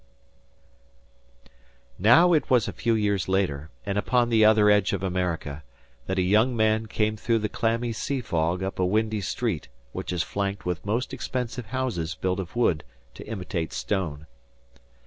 Now it was a few years later, and upon the other edge of America, that a young man came through the clammy sea fog up a windy street which is flanked with most expensive houses built of wood to imitate stone.